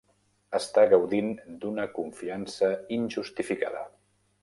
Està gaudint d'una confiança injustificada.